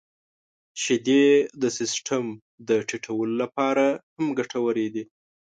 • شیدې د سیستم د ټيټولو لپاره هم ګټورې دي.